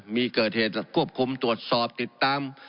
มีเกิดเหตุควบคุมตรวจสอบติดตาม